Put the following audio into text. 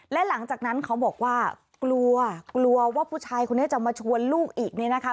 และหลังจากนั้นเขาบอกว่ากลัวกลัวว่าผู้ชายคนนี้จะมาชวนลูกอีกเนี่ยนะคะ